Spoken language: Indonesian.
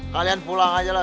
kalian pulang aja lah